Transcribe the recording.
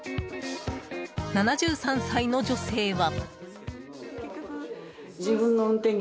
７３歳の女性は。